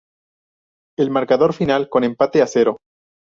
El marcado final con empate a cero.